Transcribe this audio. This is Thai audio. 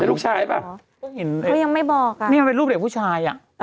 เป็นลูกชายป่ะเพิ่งเห็นเขายังไม่บอกนี่มันเป็นลูกเด็กผู้ชายอ่ะ